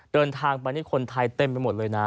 เดินทางไปนี่คนไทยเต็มไปหมดเลยนะ